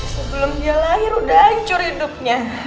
sebelum dia lahir udah hancur hidupnya